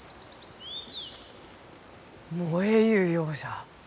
燃えゆうようじゃ。